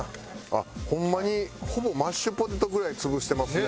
ホンマにほぼマッシュポテトぐらい潰してますね。